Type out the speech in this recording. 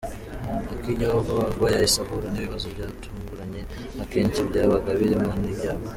Akijyaho, vuba vuba yahise ahura n’ibibazo byatuguranye akenshi byabaga birimo n’ibyago.